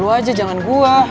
lo aja jangan gue